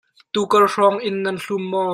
Tukar hrawng inn na hlum maw?